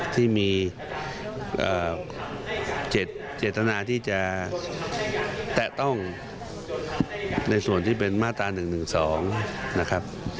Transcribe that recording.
ที่มีเจตนาที่จะแตะต้องในส่วนที่เป็นมาตรา๑๑๒นะครับ